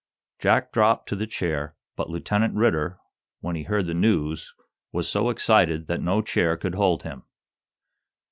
Jack dropped to the chair, but Lieutenant Ridder, when he heard the news, was so excited that no chair could hold him.